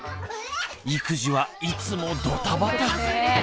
育児はいつもドタバタ。